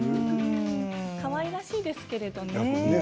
かわいらしいですけれどもね。